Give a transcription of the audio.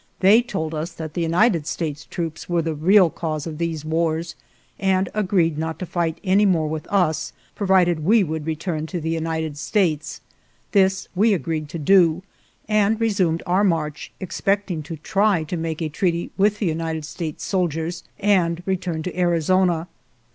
They told us that the United States troops were the real cause of these wars, and agreed not to fight any more with us provided we would return to the United States. This we agreed to do, and resumed our march, expecting to try to make a treaty with the United States sol diers and return to Arizona.